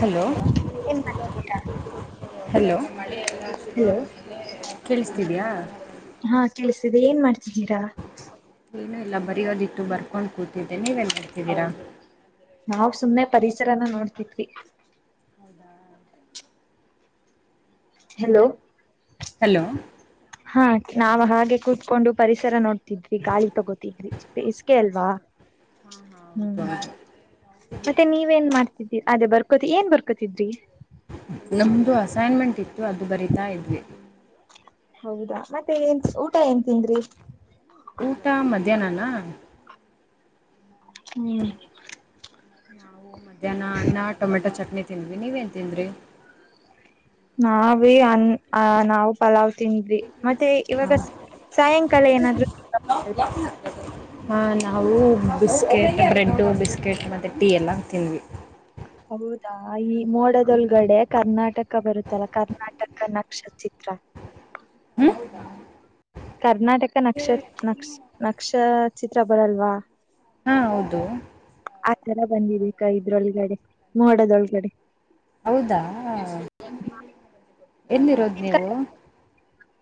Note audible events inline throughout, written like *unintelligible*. Hello, ಏನ್ ಮಾಡ್ತಿದ್ದೀರಾ hello. Hello ಕೇಳಿಸ್ತಿದೆಯಾ. ಹಾ ಕೇಳಿಸ್ತಿದೆ ಏನ್ ಮಾಡ್ತಿದ್ದೀರಾ. ಏನು ಇಲ್ಲ ಬರಿಯೋದಿತ್ತು ಬರ್ಕೊಂಡ್ ಕೂತಿದ್ದೆ ನೀವೇನ್ ಮಾಡ್ತಿದೀರಾ. ನಾವ್ ಸುಮ್ನೆ ಪರಿಸರನ ನೋಡ್ತಿದ್ವಿ. ಹೌದಾ. ಹಲೋ ಹಲೋ ಹಾ ನಾವ್ ಹಾಗೆ ಕೂತ್ಕೊಂಡು ಪರಿಸರ ನೋಡ್ತಿದ್ವಿ ಗಾಳಿ ತಗೋತಿದ್ವಿ. ಬೇಸಿಗೆ ಅಲ್ವಾ. ಹಾ ಹಾ ಹ್ಮ್ ಮತ್ತೆ ನೀವೇನ್ ಮಾಡ್ತಿದ್ರಿ ಅಂದ್ರೆ ಬರ್ಕೋತಿ ಏನ್ ಬರ್ಕೊತಿದ್ರಿ. ನಮ್ದು ಅಸೈನ್ಮೆಂಟ್ ಇತ್ತು ಅದು ಬರಿತಾ ಇದ್ವಿ. ಹೌದಾ ಮತ್ತೆ ಏನ್ ಊಟ ಏನ್ ತಿಂದ್ರಿ. ಊಟ ಮಧ್ಯಾಹ್ನನನಾ. ಹ್ಮ್ ನಾವು ಮಧ್ಯಾಹ್ನ ಅನ್ನ ಟೊಮೆಟೊ ಚಟ್ನಿ ತಿಂದ್ವಿ ನೀವೇನ್ ತಿಂದ್ರಿ. ನಾವೇ ಅ ನಾವು. ಪಲಾವ್ ತಿಂದ್ವಿ ಮತ್ತೆ ಇವಾಗ ಸಾಯಂಕಾಲ ಏನಾದ್ರು ತಿನ್ನೋ ಹಾ ನಾವು ಬಿಸ್ಕೆಟ್ ಬ್ರೆಡ್ಡು ಬಿಸ್ಕೆಟ್ ಮತ್ತೆ ಟೀ ಎಲ್ಲ ತಿಂದ್ವಿ. ಹೌದಾ ಈ ಮೋಡದೊಳಗಡೆ ಕರ್ನಾಟಕ ಬರುತ್ತಲ್ಲ ಕರ್ನಾಟಕ ನಕ್ಷತ್ರ. ಚಿತ್ರ. ಹೂ ಕರ್ನಾಟಕ ನಕ್ಷ, ನಕ್ಷ ನಕ್ಷಚಿತ್ರ ಬರಲ್ವಾ. ಹಾಂ ಹೌದು ಆ ತರ ಬಂದಿದೆ ಕ ಇದ್ರೊಳಗಡೆ ಮೋಡದ್ರೊಳಗಡೆ. ಹೌದಾ ಎಲ್ಲಿರೋದ್ ನಿಮ್ ನೀವು. ಕ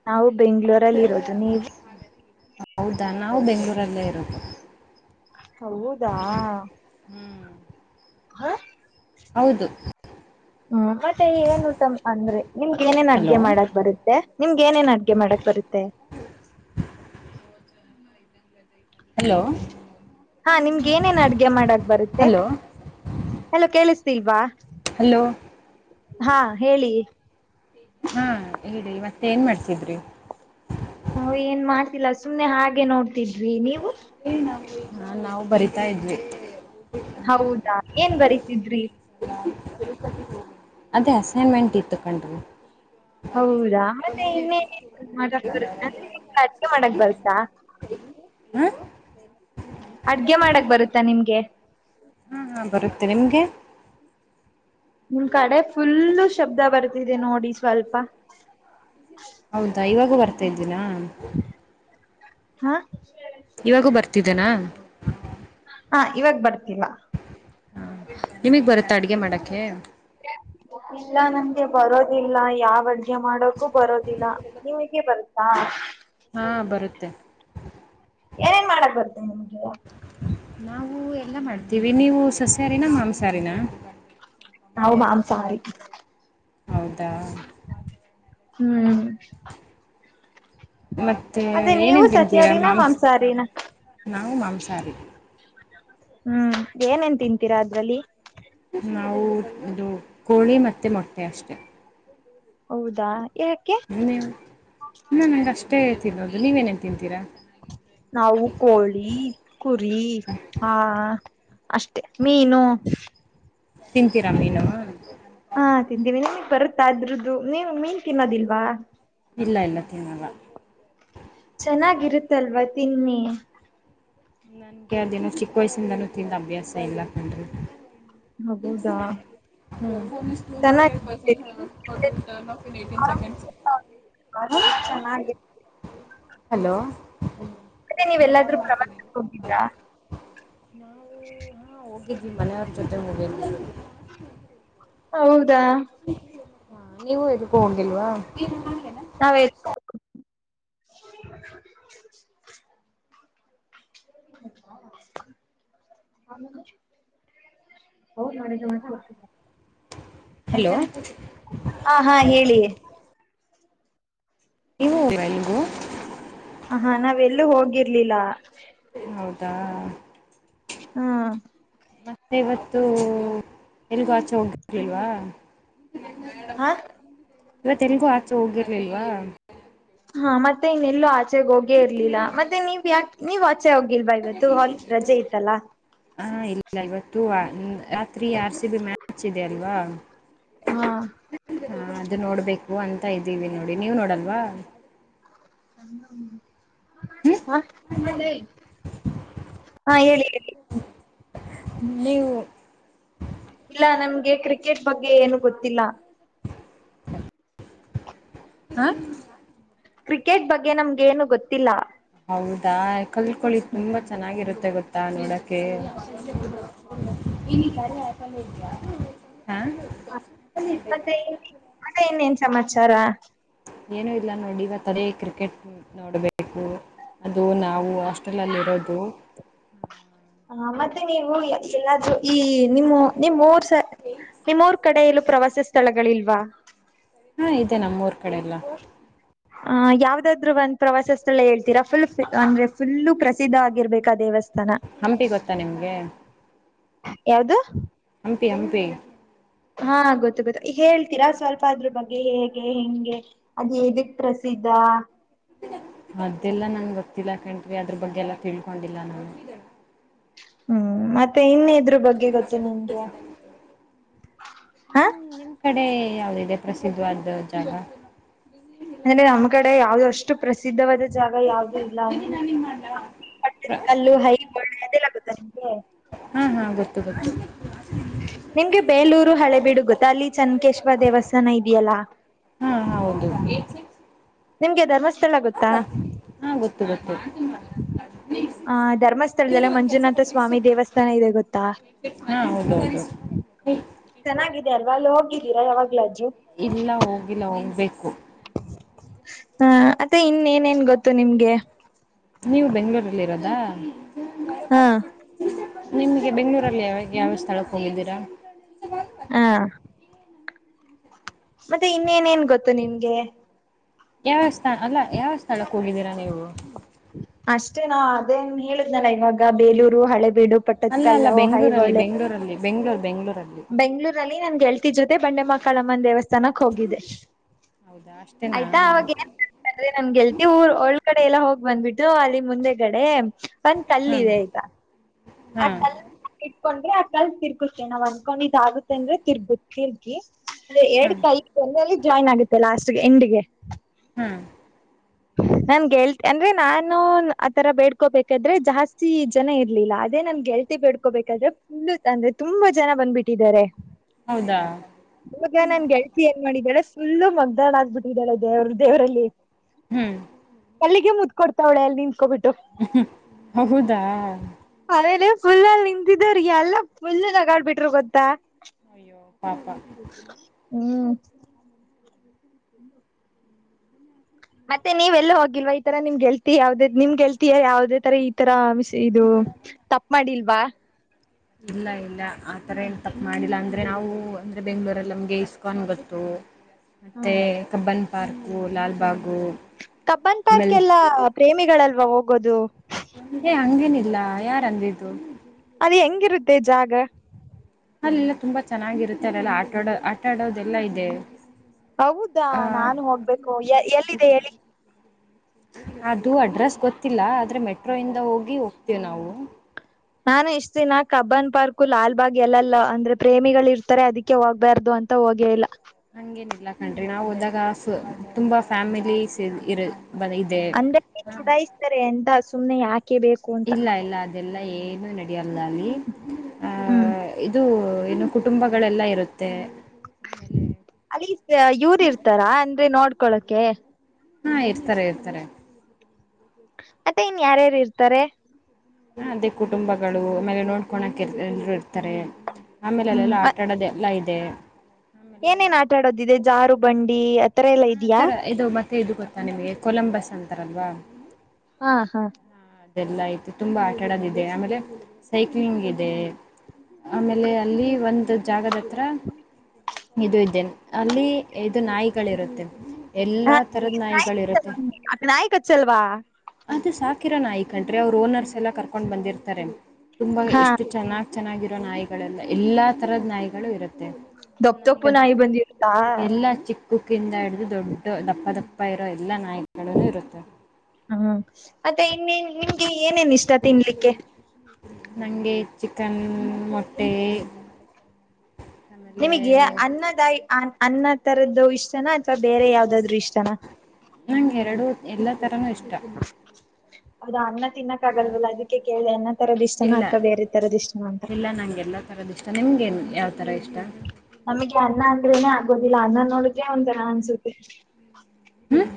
ನಾವು ಬೆಂಗಳೂರಲ್ಲಿ ಇರೋದು ನೀವು. ಹೌದಾ ನಾವು ಬೆಂಗಳೂರಲ್ಲೆ ಇರೋದು. ಹೌದಾ ಹ್ಞೂ ಹಾ! ಹೌದು ಹ್ಮ್ ಮತ್ತೆ ಏನ್ ಊಟ ಅಂದ್ರೆ ನಿಮ್ಗ ಏನೇನ್ ಹಲೋ ಅಡ್ಗೆ ಮಾಡಕ್ ಬರುತ್ತೆ. ನಿಮ್ಗೆ ಏನ್ ಏನ್ ಅಡ್ಗೆ ಮಾಡಕ್ ಬರುತ್ತೆ ಹಲೋ ಹಾ ನಿಮ್ಗೆ ಏನೇನ ಅಡ್ಗೆ ಮಾಡಕ್ ಬರುತ್ತೆ ಹಲೋ ಹಲೋ ಕೇಳಿಸ್ತಿಲ್ವಾ ಹಲೋ ಹಾ ಹೇಳಿ ಹಾ ಹೇಳಿ ಮತ್ತೆ ಏನ್ ಮಾಡ್ತಿದ್ರಿ ಹು ಏನ್ ಮಾಡ್ತಿಲ್ಲ ಸುಮ್ನೆ ಹಾಗೆ ನೋಡ್ತಿದ್ವಿ ನೀವು ಏ *inaudible* ನಾವು ಬರಿತಾ ಇದ್ವಿ ಹೌದಾ ಏನ್ ಬರಿತಿದ್ರಿ ಅದೇ ಅಸೈನ್ಮೆಂಟ್ ಇತ್ತು ಕಂಡ್ರಿ ಹೌದಾ ಮತ್ತೆ ಇನ್ನ *unintelligible* ಅಡ್ಗೆ ಮಾಡಕ್ ಬರ್ತ್ತಾ ಹಾ ಅಡ್ಗೆ ಮಾಡಕ್ ಬರುತ್ತಾ ನಿಮ್ಗೆ ಹಾ ಹಾ ಬರುತ್ತೆ ನಿಮ್ಗೆ ನಿಮ್ ಕಡೆ ಫುಲ್ಲು ಶಬ್ದ ಬರ್ತಿದೆ ನೋಡಿ ಸ್ವಲ್ಪ ಹೌದಾ ಇವಾಗೂ ಬರ್ತಾ ಇದ್ದೀನಾ ಹಾ ಇವಾಗೂ ಬರ್ತಿದ್ದೇನಾ ಹಾ ಇವಾಗ ಬರ್ತಿಲ್ಲ ನಿಮ್ಗೆ ಬರುತ್ತಾ ಅಡ್ಗೆ ಮಾಡಕೆ ಇಲ್ಲ ನಂಗೆ ಬರೋದಿಲ್ಲ ಯಾವ ಅಡ್ಗೆ ಮಾಡೋಕು ಬರೋದಿಲ್ಲ ನಿಮ್ಗೆ ಬರುತ್ತಾ ಹಾ ಬರುತ್ತೆ ಏನೇನ್ ಮಾಡಕ್ ಬರುತ್ತ ನಿಮ್ಗೆ ನಾವು ಎಲ್ಲ ಮಾಡ್ತೀವಿ ನೀವು ಸಸ್ಯಾರಿನ ಮಾಂಸಹಾರಿನ ಸ್ವಲ್ಪ ನಾವು ಮಳೆ ಎಲ್ಲ ಮಾಂಸಾಹಾರಿ ಶುರುವಾಗಿ ಆದ್ಮೇಲೆ ಹೌದಾ ಹೂ *inaudible* ಮತ್ತೆ ನೀವು ಏನೇನ್ ತಿಂತೀರಾ ಸಸ್ಯಾಹಾರಿನ ಮಾಂಸ ಮಾಂಸಾಹಾರಿನ ನಾವು ಮಾಂಸಾಹಾರಿ ಹ ಏನೇನ್ ತಿಂತೀರಾ ಅದ್ರಲ್ಲಿ ನಾವು ಇದು ಕೋಳಿ ಮತ್ತೆ ಮೊಟ್ಟೆ ಅಷ್ಟೆ ಹೌದಾ ಯಾಕೆ ನಂಗ ಅಷ್ಟೇ ತಿನ್ಬೋದು ನೀವೇಏನೇನ್ ತಿಂತೀರಾ ನಾವು ಕೋಳಿ ಕುರಿ ಹ ಅಷ್ಟೆ ಮೀನು ತಿಂತೀರಾ ಮೀನು ಹಾ ತಿಂತೀವಿ ನೀನ್ ಬರುತ್ತಾ ಇದ್ರ್ದದು ನೀನು ಮೀನ್ ತಿನ್ನೋದಿಲ್ವಾ ಇಲ್ಲ ಇಲ್ಲ ತಿನ್ನಲ್ಲ ಚೆನ್ನಾಗಿರುತ್ತಲ್ವಾ ತಿನ್ಿ ನನ್ ಕೆ ದಿನ ಚಿಕ್ಕ ವಯಸ್ಸಿಂದನೂ ತಿಂದ ಅಭ್ಯಾಸ ಇಲ್ಲ ಕಂಡ್ರಿ ಹೌದ ಬೋನಸ್ ಟ ಹ್ರೆಡ್ ಪೆ ಚೆನ್ನಾಗಿ ಇತ್ತ ಹಲೋ ಮತ್ತೆ ನೀವೆಲ್ಲಾದ್ರೂ ಪ್ರವಾಸಕ್ಕೆ ಹೋಗಿದ್ರಾ ನಾ *inaudible* ನಿಮ್ಮನೆಯವ್ರ್ ಜೊತೆೆ ಹೋಗ *unintelligible* ಹೌದಾ? ಹಾ ನೀವು ಎದುಕ್ಕೂ ಹೋಗಿಲ್ವಾ? ನಾವೇ *inaudible* ಹ ಹೌದೌದು *unintelligible* ಹಲೋ ಹ ಹಾ ಹೇಳಿ. ನೀ *unintelligible* ಹ ಹಾ ನಾವ್ ಎಲ್ಲೂ ಹೋಗಿರ್ಲಿಲ್ಲ. ಹೌದಾ? ಹ್ಮ ಮತ್ತೆ ಇವತ್ತು ಎಲ್ಗೂ ಆಚೆ ಹೋಗಿರ್ಲಿಲ್ವಾ? ಹ ಇವತ್ ಎಲ್ಗೂ ಆಚೆ ಹೋಗಿರ್ಲಿಲ್ವಾ? ಹಾ ಮತ್ತೆ ಇನ್ನೆಲ್ಲೂ ಆಚೆೆಗ್ ಹೋಗೇ ಇರ್ಲಿಲ್ಲ ಮತ್ತೆ ನೀವ್ ಯಾಕೆ ನೀವ್ ಚೆ ಹೋಗಿಲ್ವಾ ಇವತ್ತು *unintelligible* ರಜೆ ಇತ್ತಲ್ಲಾ. ಹಾ ಇಲ್ಲ ಇವತ್ತು ರಾತ್ರಿ ಆರ್ ಸಿ ಬಿ ಮ್ಯಾಚ್ ಇದೆ ಅಲ್ವಾ. ಹಾ ಹಾ ಅದು ನೋಡ್ಬೇಕು ಅಂತ ಇದ್ದೀವಿ ನೋಡಿ, ನೀವ್ ನೋಡಲ್ವಾ? ಹ್ಮ್ ಹ ಹಾ ಹೇಳಿ ಹೇಳಿ. ನೀವು ಇಲ್ಲ ನಮ್ಗೆ ಕ್ರಿಕೆಟ್ ಬಗ್ಗೆ ಏನು ಗೊತ್ತಿಲ್ಲ. ಹಾಂ ಕ್ರಿಕೆಟ್ ಬಗ್ಗೆ ನಮ್ಗೇನು ಗೊತ್ತಿಲ್ಲ. ಹೌದಾ ಕಲ್ತ್ಕೊಳಿ ತುಂಬಾ ಚೆನ್ನಾಗಿರುತ್ತೆ ಗೊತ್ತಾ ನೋಡಕ್ಕೆೆ. *unintelligible* ಮತ್ತೆ ಮತ್ತೆ ಇನ್ನೇನ್ ಸಮಾಚಾರ? ಏನೂ ಇಲ್ಲ ನೋಡಿ ಇವತ್ತು ಅದೇ ಕ್ರಿಕೆಟ್ ನೋಡಬೇಕು, ಅದು ನಾವು ಹಾಸ್ಟೆಲಲ್ಲಿ ಇರೋದು. ಹಾ ಮತ್ತೆ ನೀವು ಎಲ್ಲಾದೂ ಈ ನಿಮ್ಮ ನಿಮ್ಮೂರ್ ಸ ನಿಮ್ಮೂರ್ ಕಡೆ ಎಲ್ಲೂ ಪ್ರವಾಸಿ ಸ್ಥಳಗಳಿಲ್ವಾ? ಹೂಂ ಇದೆ ನಮ್ಮೂರ್ ಕಡೆ ಎಲ್ಲ. ಅಹ ಯಾವ್ದಾದ್ರು ಒಂದು ಪ್ರವಾಸ ಸ್ಥಳ ಹೇಳ್ತೀರಾ ಫುಲ್ ಅಂದ್ರೆ ಫುಲ್ಲು ಪ್ರಸಿದ್ಧ ಆಗಿರ್ಬೇಕ್ ಆ ದೇವಸ್ಥಾನ. ಹಂಪಿ ಗೊತ್ತಾ ನಿಮ್ಗೆ? ಯಾವ್ದು? ಹಂಪಿ ಹಂಪಿ. ಹಾ ಗೊತ್ತು ಗೊತ್ತು, ಹೇಳ್ತೀರಾ ಸ್ವಲ್ಪ ಅದ್ರ ಬಗ್ಗೆ ಹೇಗೆ ಹೆಂಗೆ? ಅದ್ ಏದಕ್ ಪ್ರಸಿದ್ಧ. ಅದೆೆಲ್ಲಾ ನಂಗೆ ಗೊತ್ತಿಲ್ಲ ಕಂಡ್ರಿ ಅದ್ರ ಬಗ್ಗೆ ಎಲ್ಲ ತಿಳ್ಕೊಂಡಿಲ್ಲ ನಾವು. ಹ್ಮ್ ಮತ್ತೆ ಇನ್ನೆದ್ರ್ ಬಗ್ಗೆ ಗೊತ್ತು ನಿಮಗೆ? ಹಾ. ನಿಮ್ ನಿಮ್ ಕಡೆ ಯಾವ್ದಿದೆ ಪ್ರಸಿದ್ಧವಾದ ಜಾಗ? ಅ ನಮ್ ಕಡೆ ಯಾವದು ಅಷ್ಟ್ ಷ್ಟು ಪ್ರಸಿದ್ಧವಾದ ಜಾಗ ಯಾವುದೂ ಇಲ್ಲ ಅಲ್ಲಿ ಪಟ್ಟದ್ಕಲ್ಲು ಹೈ *unintelligible* ಗೊತ್ತಾ ನಿಮಗೆ? ಹಾ ಹಾ ಗೊತ್ತು ಗೊತ್ತು. ನಿಮ್ಗೆ ಬೇಲೂರು ಹಳೆ ಬಿಡು ಗೊತ್ತ ಅಲ್ಲಿ ಚನ್ನಕೇಶ್ವ ದೇವಸ್ಥಾನ ಇದ್ಯಲ್ಲಾ. ಹಾ ಹೌದು ನಿಮ್ಗೆ ಧರ್ಮಸ್ಥಳ ಗೂತ್ತಾ. ಹಾ ಗೊತ್ತು ಗೊತ್ತ. ಹ ಧರ್ಮಸ್ಥಳದಲ್ಲೆ ಮಂಜುನಾಥ ಸ್ವಾಮಿ ದೇವಸ್ಥಾನ ಇದೆ ಗೊತ್ತಾ. ಹಾ ಹೌದ ಹೌದು. ಚೆನ್ನಾಗಿದೆ ಅಲ್ವಾ ಅಲ್ಲಿ ಹೋಗಿದ್ದೀರಾ ಯಾವಾಗಲಾದ್ರು. ಇಲ್ಲ ಹೋಗಿಲ್ಲ ಹೋಗ್ಬೇಕು. ಹ ಮತ್ತೆ ಇನ್ನೇನೇನ್ ಗೊತ್ತು ನಿಮ್ಗೆ. ನೀವು ಬೆಂಗಳೂರ್ ಅಲ್ಲಿ ಇರೋದಾ. ಹಾ ನಿಮಗೆ ಬೆಂಗ್ಳೂರಲ್ಲಿ ಯಾವ ಯಾವ ಸ್ಥಳಕ್ಕೆ ಹೋಗಿದ್ದೀರಾ. ಹಾ ಮತ್ತೆ ಇನ್ನೇನೇನ್ ಗೊತ್ತು ನಿನ್ಗೆ. ಯಾವವ್ ಸ್ಥ ಅಲ್ಲ ಯಾವ ಸ್ಥಳಕ್ಕೆ ಹೋಗಿದ್ದೀರಾ ನೀವು. ಅಷ್ಟೇ ನಾ ಅದೇನ್ ಹೇಳುದ್ನಲ್ಲ ಇವಾಗ ಬೇಲೂರು ಹಳೇಬೀಡು. ಅಲ್ಲ ಅಲ್ಲ ಬೆಂಗ್ಳೂರಲ್ಲಿ ಬೆಂಗ್ಳೂರ್ ಬೆಂಗ್ಳೂರಲ್ಲಿ. ಬೆಂಗ್ಳೂರಲ್ಲಿ ನನ್ ಗೆಳತಿರ್ ಜೊತೆ ಬಂಡೆಮಕ್ಕಳಮ್ಮನ ದೇವಸ್ಥಾನಕ್ ಹೋಗಿದ್ದೆ. ಹೌದಾ ಅಷ್ಟೇನಾ ಆಯ್ತಾ ಅವಾಗ್ ಇನ್ನ ಅದೇ ನಮ್ ಗೆಳತಿ ಊರ್ ಒಳ್ ಕಡೆ ಎಲ್ಲ ಹೋಗ್ ಬಂದ್ಬಿಟ್ಟು ಅಲ್ಲಿ ಮುಂದೆಗಡೆ. ಒಂದ್ ಕಲ್ಲು ಹಾಂ ಇದೇ ಐತ ಆ ಹಾಂ ಕಲ್ ಇಟ್ಕೊಂಡ್ರೆ ಆ ಕಲ್ ತಿರ್ಗುತ್ತೆ ನಾವ್ ಅಂದ್ಕೊಂಡಿದ್ ಆಗುತ್ತೆ ಅಂದ್ರೆ ತಿರ್ಗುತೆ. ಕಿರ್ರ್ಕಿ ಅ ಎರಡ್ ಹಾಂ ಕೈ ಯಲ್ಲಿ ಜಾಯಿನ್ ಆಗುತ್ತೆ ಲಾಸ್ಟ್ಗೆ ಎಂಡಿಗೆ. ಹ್ಮ್ ನನ್ ಗೆಳ್ ಅಂದ್ರೆ ನಾನು ಆತರ ಬೇಡ್ಕೋಬೇಕಾದ್ರೆ ಜಾಸ್ತಿ ಜನ ಇರ್ಲಿಲ್ಲ ಅದೇ ನನ್ ಗೆಳ್ ತಿ ಬೆಡ್ಕೋಬೇಕಾದ್ರೆ ಪುಲ್ಲು ಅಂದ್ರೆ ತುಂಬಾ ಜನ ಬಂದ್ಬಿಟ್ಟಿದ್ದಾರೆ. ಹೌದಾ ಇವಾಗ ನಾನ್ ಗೆಳತಿ ಏನ್ ಮಾಡಿದ್ದಾಳೆಫುಲ್ಲು ಮಗ್ದಳ್ ಆಗ್ಬಿಟ್ಟಿದ್ದಾಳೆ ದೇವ್ರ ದೇವರಲ್ಲಿ. ಹ್ಮ್ ಕಲ್ಲಿಗೆ ಮುತ್ ಕೊಡ್ತವ್ಳೆ ಎಲ್ಲಿ ನಿಂತ್ಕೊಬಿಟ್ಟು. ಹಾ ಹಾ ಹೌದಾ ಅಮೇಲೆ ಫುಲ್ಲಲ್ಲಿ ನಿಂತಿದವರ್ ಎಲ್ಲಾ ಫುಲ್ ನಗಾಡ್ಬಿಟ್ರು ಗೊತ್ತಾ. ಅಯ್ಯೋ ಪಾಪಾ ಹ್ಮ್ *unintelligible* ಮತ್ತೆ ನೀವ್ ಹೋಗಿಲ್ವಾ ಈ ತರ ನಿಮ್ ಗೆಲ್ತಿ ಯಾವ್ದೇ ನಿಮ್ ಗೆಲ್ತಿಯ ಯಾವದೇ ತರ ಈ ತರ ಮಿಸ್ ಇದು ತಪ್ ಮಾಡಿಲ್ವಾ. ಇಲ್ಲ ಇಲ್ಲ ಆತರ ಏನ್ ತಪ್ಪ ಮಾಡಿಲ್ಲ ಅಂದ್ರೆ ನಾವು ಅಂದ್ರೆ ಬೆಂಗ್ಳೂರಲ್ಲಿ ನಮ್ಗೆ ಇಸ್ಕನ್ ಗೊತ್ತು. ಮತ್ತೆ ಹ್ಮ್ Cubbon park Lalbagh. Cubbon park ಆಮೇಲೆ ಎಲ್ಲಾ ಪ್ರೇಮಿಗಳಲ್ವ ಹೋಗೋದು. ಇದೆ ಹಂಗೇನಿಲ್ಲ ಯಾರಂದಿದ್ದು. ಅದು ಹೆಂಗಿರುತ್ತೆ ಜಾಗ. ಅಲ್ಲೆಲ್ಲಾ ತುಂಬಾ ಚೆನ್ನಾಗಿರುತ್ತೆ ಅಲ್ಲೆಲ್ಲ ಆಟಾಡ ಆಟ ಆಡೋದೆಲ್ಲಾ ಇದೆ. ಹೌದಾ ನಾನು ಹೋಗ್ಬೇಕು ಎ ಎಲ್ಲಿದೆ ಹೇಳಿ. ಅದು ಅಡ್ರೆಸ್ ಗೊತ್ತಿಲ್ಲ ಆದ್ರೆ ಮೆಟ್ರೋ ಇಂದ ಹೋಗಿ ಹೋಗ್ತೀವ್ ನಾವು. ನಾನು ಇಷ್ಟ್ ದಿನ ಕಬ್ಬನ್ ಪಾರ್ಕು ಲಾಲ್ಬಾಗ್ ಎಲ್ಲಲ್ಲ ಅಂದ್ರೆ ಪ್ರೇಮಿಗಳು ಇರ್ತಾರೆ ಅದಕ್ಕೆ ಹೋಗ್ಬಾರ್ದು ಅಂ ತ ಹೋಗಿಲ್ಲ. ಹಂಗೇನ್ ಇಲ್ಲ ಕಣ್ರಿ ನಾವ್ ಹೋದಾಗ ತುಂಬಾ ಫ್ಯಾಮಿಲಿಸ್ ಇರ ಅಂದಕ್ಕೆ ಚುಡಾಯಿಸ್ತಾರೆ ಅಂತ ಸುಮ್ನೆ ಯಾಕೆ ಬೇಕ್ ಇಲ್ಲ ಇಲ್ಲ ಅದೆಲ್ಲಾ ಏನು ನಡೆಯಲ್ಲ ಅಲ್ಲಿ. ಆ ಹ್ಮ್. ಇದು ಏನು ಕುಟುಂಬಗಳೆಲ್ಲ ಇರುತ್ತೆ. ಆಮೇಲೆ ಅಲ್ಲಿ ಇವರ್ ಇರ್ತಾರಾ ಅಂದ್ರೆ ನೋಡ್ಕೊಳಕೆ. ಹಾ ಇರ್ತಾರೆ ಇರ್ತಾರೆ. ಮತ್ತೆ ಇನ್ ಯಾರ್ಯಾರ್ ಇರ್ತಾರೆ. ಅದೇ ಕುಟುಂಬಗಳು ಆಮೇಲೆ ನೋಡ್ಕೋಳಕ್ ಎ ಎಲ್ರು ಇರ್ತಾರೆ. ಆಮೇಲೆ ಹ್ಮ್ ಅಲ್ಲೆಲ್ಲ ಮ ಆಟಾಡೋದೆಲ್ಲ ಇದೆ. ಆಮೇಲೆ ಏನೇನ್ ಆಟಾಡೋದಿದೆ ಜಾರುಬಂಡಿ ಅದ್ ತರ ಇದು ಮತ್ತೆ ಇದು ಗೊತ್ತಾ ನಿಮಗೆ ಕೊಲಂಬಸ್ ಅಂತಾರಲ್ವಾ. ಹಾ ಹೌದು. ಹಾ ಅದೆಲ್ಲ ಐತಿ ತುಂಬಾ ಆಟ ಆಡದ ಇದೆ ಆಮೇಲೆ ಸೈಕ್ಲಿಂಗ್ ಇದೆ. ಆಮೇಲೆ ಅಲ್ಲಿ ಒಂದು ಜಾಗದ ಹತ್ರ ಇದು ಇದೆ ಅಲ್ಲಿ ಇದು ನಾಯಿಗಳಿರುತ್ತೆ ಎಲ್ಲಾ ತರದ ನಾಯಿಗಳಿರುತ್ತೆ. *unintelligible* ನಾಯ್ ಕಚ್ಚಲ್ವಾ. ಅದು ಸಾಕಿರೋ ನಾಯಿ ಕಣ್ರಿ ಅವ್ರು ಓನರ್ಸ್ ಎಲ್ಲಾ ಕರ್ಕೊಂಡ್ ಬಂದಿರ್ತಾರೆ ತುಂಬಾ ಹಾ ಎಷ್ಟು ಚೆನ್ನಾಗ್ ಚೆನ್ನಾಗಿರೋ ನಾಯಿಗಳೆಲ್ಲ ಎಲ್ಲಾ ತರದ ನಾಯಿಗಳು ಇರುತ್ತೆ. ದಪ್ ದಪ್ಪು ನಾಯಿ ಬಂದಿರುತ್ತಾ. ಕುಕ್ಕಿಂದ ಹಿಡಿದು ದೊಡ್ಡ ದಪ್ಪ ದಪ್ಪ ಇರೋ ಎಲ್ಲ ನಾಯಿಗಳುನು ಇರುತ್ತೆ. ಹಾ ಹಾ ಮತ್ತೆ ಇನ್ನೇನ್ ನಿಮ್ಗೆ ಏನೇನ್ ಇಷ್ಟ ತಿನ್ಲಿಕ್ಕೆ. ನಂಗೆ ಚಿಕನ್ ಮೊಟ್ಟೆ ಆಮೇಲೆ ಅನ್ನದಾಯಿ ಅನ್ನ ತರದ್ದು ಇಷ್ಟನ ಅಥ್ವಾ ಬೇರೆ ಯಾವ್ದಾದ್ರು ಇಷ್ಟನ. ನಂಗೆ ಎರಡು ಎಲ್ಲ ತರಾನೂ ಇಷ್ಟ. ಅದು ಅನ್ನ ತಿನ್ನಕ್ ಆಗಲ್ವಲ್ಲ ಅದಕ್ಕೆ ಕೇಳಿದೆ ಅನ್ನ ತರದ್ ಇಷ್ಟನ ಇಲ್ಲ ಅಥವಾ ಬೇರೆ ತರದ್ ಇಷ್ಟನ ಅಂತ. ಇಲ್ಲ ನಂಗೆಲ್ಲ ತರದ್ ಇಷ್ಟ ನಿಮ್ಗೇನ್ ಯಾವ ಥರ ಇಷ್ಟ. ನಮಗೆ ಅನ್ನ ಅಂದ್ರೇನೆ ಆಗೋದಿಲ್ಲ ಅನ್ನ ನೋಡಕೆ ಒಂದರ ಅನ್ಸುತ್ತೆ. ಹ್ಮ್.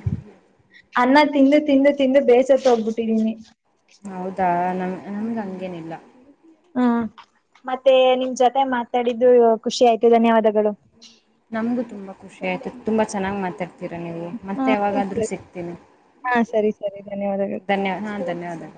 ಅನ್ನ ತಿಂದು ತಿಂದು ತಿಂದು ಬೇಸತ್ ಹೋಗ್ಬಿಟ್ಟಿದೀನಿ. ಹೌದಾ ನಮ ನಮ್ದ್ ಹಂಗೇನಿಲ್ಲ. ಹ್ಮ್ ಮತ್ತೆ ನಿಮ್ ಜೊತೆ ಮಾತಾಡಿದ್ದು ಖುಷಿ ಆಯ್ತು ಧನ್ಯವಾದಗಳು. ನಮ್ಗೂ ತುಂಬ ಖುಷಿ ಆಯ್ತು ತುಂಬಾ ಚೆನ್ನಾಗ್ ಮಾತಾಡ್ *unintelligible* ಮತ್ತೆ ಯಾವಾಗಾದ್ರೂ ಸಿಗ್ತೀನಿ ಹಾ ಸರಿ ಸರಿ ಧನ್ಯವಾದಗಳು ಧನ್ಯವಾದ ಹಾ ಧನ್ಯವಾದ.